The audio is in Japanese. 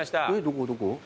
どこどこ？